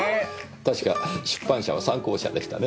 確か出版社は讃光社でしたね？